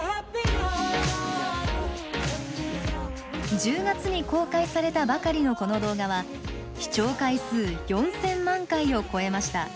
１０月に公開されたばかりのこの動画は視聴回数４千万回を超えました。